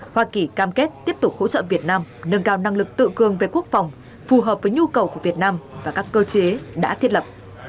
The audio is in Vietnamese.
hoa kỳ cam kết tiếp tục hỗ trợ việt nam nâng cao năng lực tự cường về quốc phòng phù hợp với nhu cầu của việt nam và các cơ chế đã thiết lập